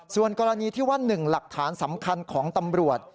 ส่วนกรณีที่ว่า๑หลักฐานสำคัญของตำรวจ